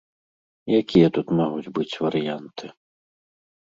Якія тут могуць быць варыянты.